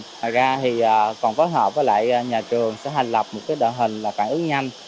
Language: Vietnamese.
thật ra thì còn phối hợp với lại nhà trường sẽ hành lập một đoạn hình phản ứng nhanh